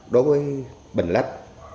đối với bệnh lá đất